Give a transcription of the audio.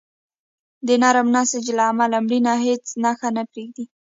د نرم نسج له امله مړینه هیڅ نښه نه پرېږدي.